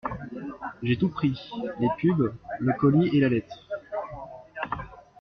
J’ai tout pris, les pubs, le colis et la lettre.